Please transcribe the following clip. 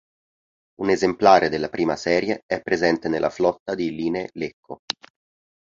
Un esemplare della prima serie è presente nella flotta di Linee Lecco.